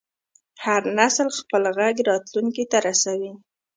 هر نسل خپل غږ راتلونکي ته رسوي.